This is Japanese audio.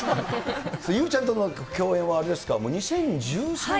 ゆうちゃんとの共演はあれですか、もう２０１３年。